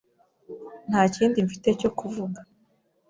Nta kindi mfite cyo kuvuga.